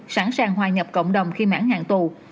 sẵn sàng hòa nhập cộng đồng khi mãn hạn tù